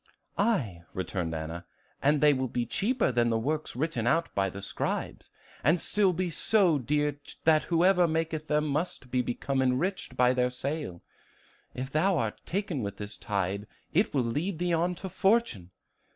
"Aye," returned Anna, "and they will be cheaper than the works written out by the scribes, and still be so dear that whoever maketh them must become enriched by their sale. If thou art taken with this tide, it will lead thee on to fortune.